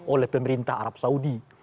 oleh pemerintah arab saudi